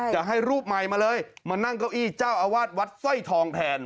จะให้รูปใหม่มาเลยมานั่งเก้าอี้เจ้าอาวาสวัดสร้อยทองแทน